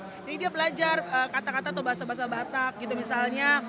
jadi dia belajar kata kata atau bahasa bahasa batak gitu misalnya